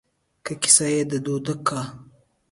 که کيسه يې د دوتک کا